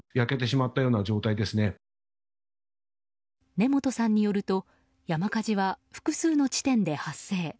根本さんによると山火事は複数の地点で発生。